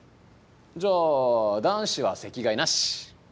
じゃあ男子は席替えなし！